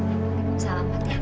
waalaikumsalam pak titi ya pak